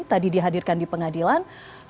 tadi dihadirkan di pengadilan